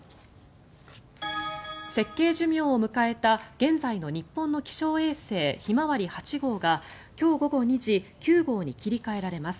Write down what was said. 設計寿命を迎えた、現在の日本の気象衛星ひまわり８号が今日午後２時９号に切り替えられます。